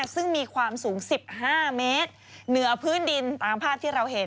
ซึ่งมีความสูง๑๕เมตรเหนือพื้นดินตามภาพที่เราเห็น